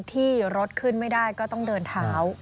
ที่รถขึ้นไม่ได้ก็ต้องเดินเท้า